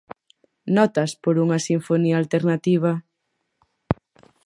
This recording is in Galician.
Notas par unha sinfonía alternativa.